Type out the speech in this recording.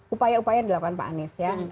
upaya upaya yang dilakukan pak anies ya